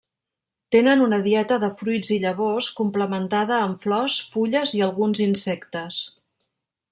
Tenen una dieta de fruits i llavors, complementada amb flors, fulles i alguns insectes.